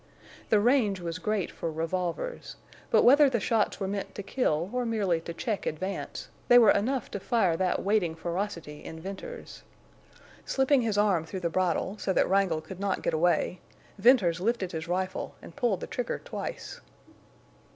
The range was great for revolvers, but whether the shots were meant to kill or merely to check advance, they were enough to fire that waiting ferocity in Venters. Slipping his arm through the bridle, so that Wrangle could not get away, Venters lifted his rifle and pulled the trigger twice.